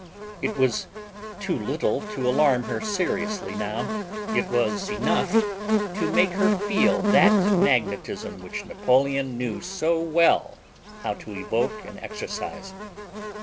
It was too little to alarm her seriously now. It was enough to make her feel that magnetism which Napoleon knew so well how to evoke and exercise.